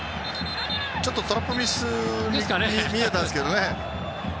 ちょっとトラップミスに見えましたけどね。